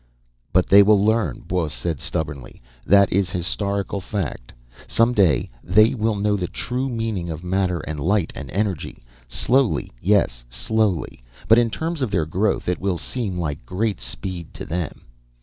"But they will learn," Buos said stubbornly. "That is historical fact. Someday, they will know the true meanings of matter and light and energy. Slowly, yes, slowly. But in terms of their growth, it will seem like great speed to them